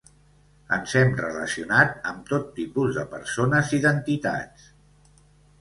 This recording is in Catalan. Ens hem relacionat amb tot tipus de persones i d'entitats.